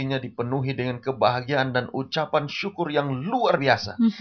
hatinya dipenuhi dengan kebahagiaan dan ucapan syukur yang luar biasa